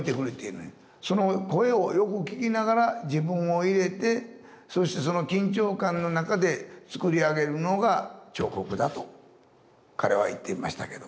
その声をよく聴きながら自分を入れてそしてその緊張感の中で作り上げるのが彫刻だと彼は言っていましたけども。